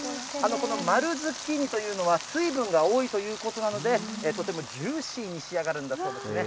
この丸ズッキーニというのは、水分が多いということなので、とてもジューシーに仕上がるんだそうですね。